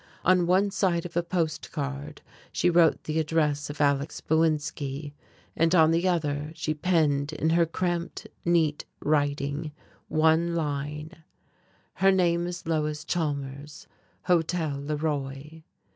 On one side of a post card she wrote the address of Alexis Bowinski, and on the other she penned in her cramped neat writing, one line: "Her name is Lois Chalmers. Hotel LeRoy."